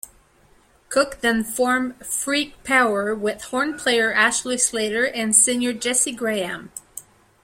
Cook then formed Freak Power with horn player Ashley Slater and singer Jesse Graham.